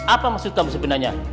apa maksudmu sebenarnya